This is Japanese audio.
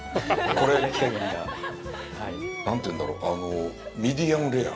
これ、何というんだろう、ミディアムレア？